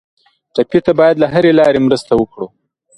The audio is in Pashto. ټپي ته باید له هرې لارې مرسته وکړو.